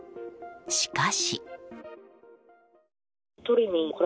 しかし。